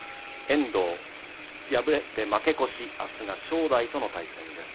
遠藤、敗れて負け越しあすは正代との対戦です。